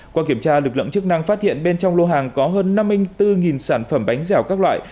qua kiểm tra lực lượng chức năng phát hiện bên trong lô hàng có hơn năm mươi bốn sản phẩm bánh dẻo các loại